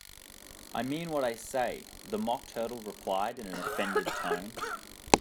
‘I mean what I say,’ the Mock Turtle replied in an offended tone.